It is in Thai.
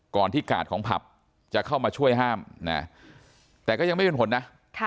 ที่กาดของผับจะเข้ามาช่วยห้ามนะแต่ก็ยังไม่เป็นผลนะ